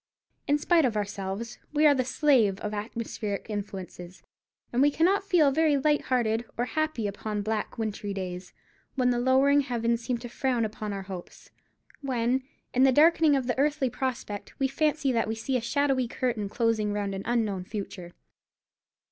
In spite of ourselves, we are the slaves of atmospheric influences; and we cannot feel very light hearted or happy upon black wintry days, when the lowering heavens seem to frown upon our hopes; when, in the darkening of the earthly prospect, we fancy that we see a shadowy curtain closing round an unknown future.